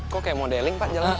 kok kayak modeling pak jelang